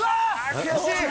悔しい。